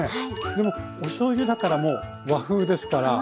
でもおしょうゆだからもう和風ですから。